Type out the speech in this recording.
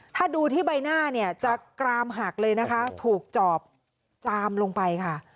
ถ้าดูที่ใบหน้าเนี่ยจะกรามหักเลยนะคะถูกจอบจามลงไปค่ะ